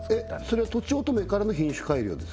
それはとちおとめからの品種改良ですか？